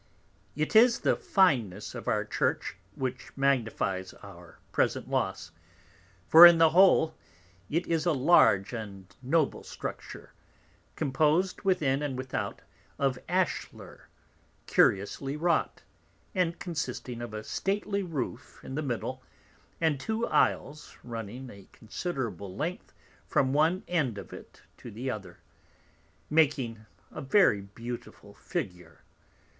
It is the fineness of our Church which magnifies our present loss, for in the whole it is a large and noble structure, compos'd within and without of Ashler curiously wrought, and consisting of a stately Roof in the middle, and two Isles runing a considerable length from one end of it to the other, makes a very beautiful Figure.